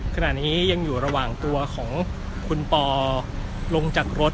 ขณะนี้ยังอยู่ระหว่างตัวของคุณปอลงจากรถ